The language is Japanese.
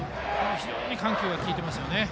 非常に緩急が利いていますね。